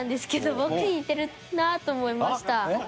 僕に似てるなと思いました。